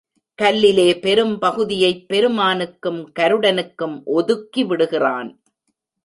கல்லிலே பெரும் பகுதியைப் பெருமானுக்கும் கருடனுக்கும் ஒதுக்கி விடுகிறான்.